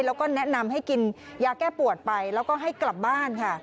แล้วก็แนะนำให้กินยาแก้ปวดไปแล้วก็ให้กลับบ้านค่ะ